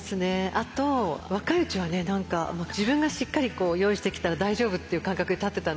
あと若いうちはね何か自分がしっかり用意してきたら大丈夫っていう感覚で立ってたんですけど